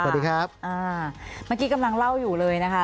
เมื่อกี้กำลังเล่าอยู่เลยนะคะ